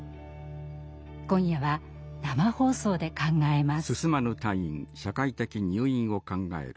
今夜は生放送で考えます。